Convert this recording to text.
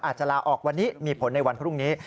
อาจจะลาออกวันนี้มีผลในวันพรุ่งนี้